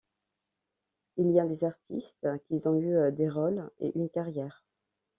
Il y a des artistes qui ont eu des rôles et une carrière.